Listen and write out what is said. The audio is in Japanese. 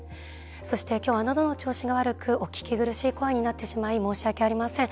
そして今日は、のどの調子が悪くお聞き苦しい声になってしまい申し訳ありません。